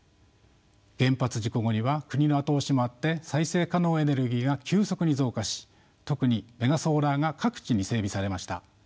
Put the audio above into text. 原発事故後には国の後押しもあって再生可能エネルギーが急速に増加し特にメガソーラーが各地に整備されました。